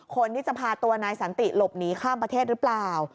คนที่จะพาตัวนายสันติหลบหนีข้ามประเทศหรือเปล่า